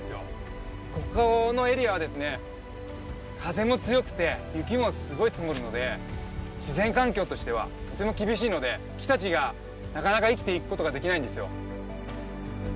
ここのエリアはですね風も強くて雪もすごい積もるので自然環境としてはとても厳しいので木たちがなかなか生きていくことができないんですよ。